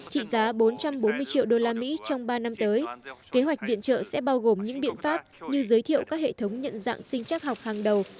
trị giá bốn trăm bốn mươi triệu đô la mỹ trong ba năm tới kế hoạch viện trợ sẽ bao gồm những biện pháp như giới thiệu các hệ thống nhận dạng sinh chắc học hàng đầu